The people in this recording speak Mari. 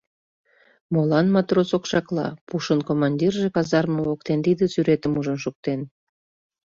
Молан матрос окшакла? — пушын командирже казарме воктен тиде сӱретым ужын шуктен.